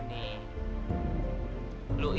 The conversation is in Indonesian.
lu itu ngajak gua kesini